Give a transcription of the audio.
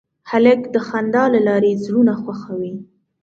هلک د خندا له لارې زړونه خوښوي.